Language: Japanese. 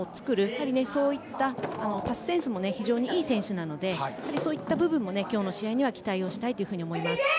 やはりそういったパスセンスも非常にいい選手なのでそういった部分も今日の試合には期待をしたいと思います。